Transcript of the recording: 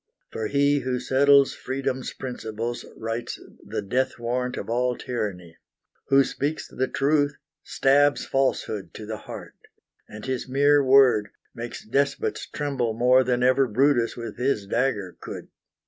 For he who settles Freedom's principles Writes the death warrant of all tyranny; Who speaks the truth stabs Falsehood to the heart, And his mere word makes despots tremble more Than ever Brutus with his dagger could.